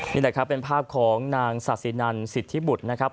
นี่แหละครับเป็นภาพของนางศาสินันสิทธิบุตรนะครับ